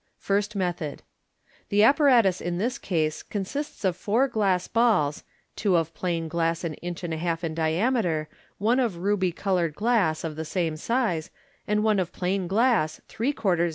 First Method.— The apparatus in this case consists of four glast balls (two of plain glass an inch and a half in diameter, one of ruby coloured glass of the same size, and one of plain glass, three quarters MODERN MAGIC.